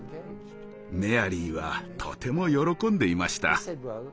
メアリーはとても喜んでいました。